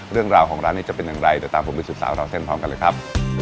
เรื่องราวของร้านนี้จะเป็นอย่างไรเดี๋ยวตามผมไปสืบสาวราวเส้นพร้อมกันเลยครับ